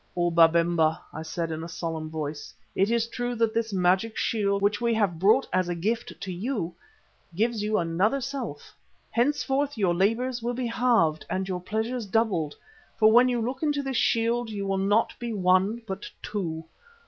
"O Babemba," I said in a solemn voice, "it is true that this magic shield, which we have brought as a gift to you, gives you another self. Henceforth your labours will be halved, and your pleasures doubled, for when you look into this shield you will be not one but two.